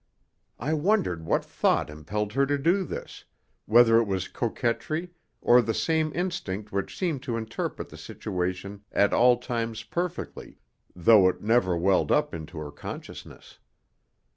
I wondered what thought impelled her to do this, whether it was coquetry or the same instinct which seemed to interpret the situation at all times perfectly, though it never welled up into her consciousness.